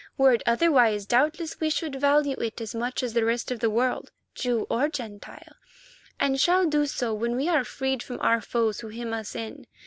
Were it otherwise, doubtless we should value it as much as the rest of the world, Jew or Gentile, and shall do so when we are freed from our foes who hem us in.